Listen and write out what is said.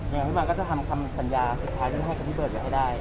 อย่างนี้บอร์ดก็จะทำคำสัญญาณสุดท้ายที่มันให้พี่เบิร์ดอยากให้ได้